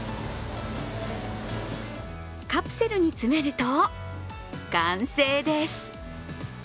カプセルに詰めると、完成です。